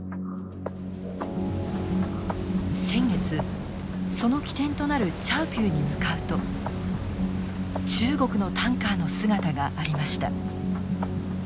先月その起点となるチャウピューに向かうと中国のタンカーの姿がありました。